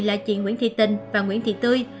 là chị nguyễn thị tình và nguyễn thị tươi